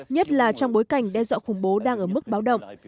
nhất là trong bối cảnh đe dọa khủng bố đang ở mức báo động